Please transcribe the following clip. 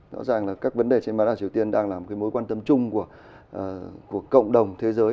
rõ ràng là các vấn đề trên bán đảo triều tiên đang là một mối quan tâm chung của cộng đồng thế giới